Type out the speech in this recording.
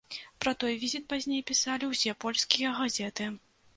Пра той візіт пазней пісалі ўсе польскія газеты.